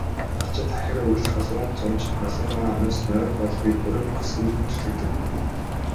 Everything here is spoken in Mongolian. Малчид хахир өвөл, халуун зун ч малынхаа хойноос нойр, хоолгүй борви бохисхийлгүй зүтгэдэг.